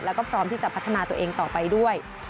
แล้วก็พร้อมที่จะพัฒนาตัวเองต่อไปด้วย